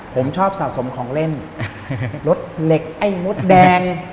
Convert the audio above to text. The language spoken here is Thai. ผมชอบสะสมของเล่นรถเหล็กไอ้มดแดง